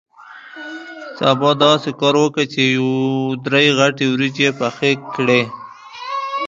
سبا داسې کار وکه چې یو درې غټې وریجې پخې کړې.